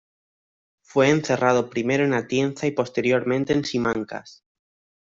Fue encerrado primero en Atienza y posteriormente en Simancas.